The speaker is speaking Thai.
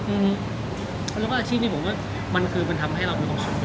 อื้อหือแล้วก็อาชีพนี้มันทำให้เรามีความขอบคุณ